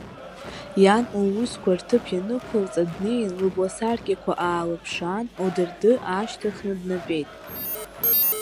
Иан лусқәа рҭыԥ ианықәылҵа, днеин, лыбласаркьақәа аалыԥшаан, лдырды аашьҭыхны днатәеит.